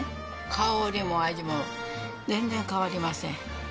香りも味も全然変わりません。